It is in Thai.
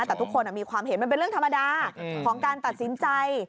แต่ทุกคนมีความเห็นมันเป็นเรื่องธรรมดาของการตัดสินใจ